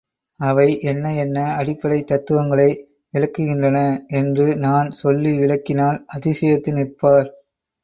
அவை என்ன என்ன அடிப்படைத் தத்துவங்களை விளக்குகின்றன என்று நான் சொல்லி விளக்கினால் அதிசயித்து நிற்பார்.